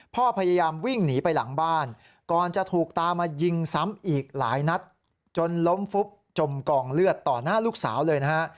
พยายามวิ่งหนีไปหลังบ้านก่อนจะถูกตามมายิงซ้ำอีกหลายนัดจนล้มฟุบจมกองเลือดต่อหน้าลูกสาวเลยนะฮะ